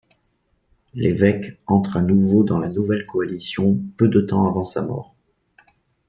L'évêque entre à nouveau dans la nouvelle coalition peu de temps avant sa mort.